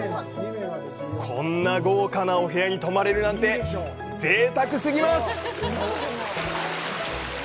こんな豪華なお部屋に泊まれるなんてぜいたくすぎます！